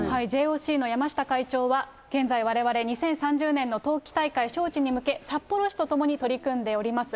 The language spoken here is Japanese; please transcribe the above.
ＪＯＣの山下会長は、現在、われわれ２０３０年の冬季大会招致に向け、札幌市と共に取り組んでおります。